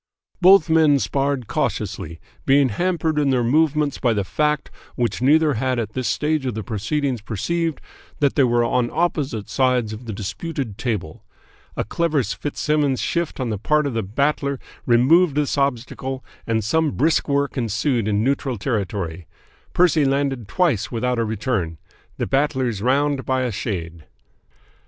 Both men sparred cautiously, being hampered in their movements by the fact, which neither had at this stage of the proceedings perceived, that they were on opposite sides of the disputed table. A clever Fitzsimmons' shift on the part of the Battler removed this obstacle, and some brisk work ensued in neutral territory. Percy landed twice without a return. The Battler's round by a shade.